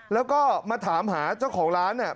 แล้วก็มาถามหาเจ้าของร้าน